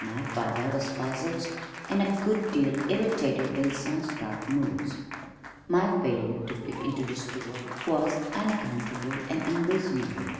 My father was puzzled and a good deal irritated by his son's dark moods. My failure to fit into the store was unaccountable and unreasonable.